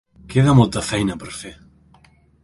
Queda molta feina per fer.